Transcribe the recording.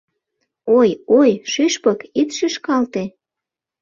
Ой-ой, шӱшпык, ит шӱшкалте.